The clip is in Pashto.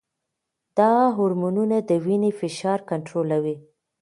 دا هرمونونه د وینې فشار کنټرولوي.